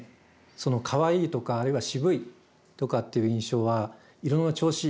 そのかわいいとかあるいはしぶいとかっていう印象は色の調子